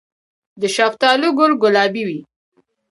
د شفتالو ګل ګلابي وي؟